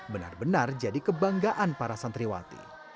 benar benar jadi kebanggaan para santriwati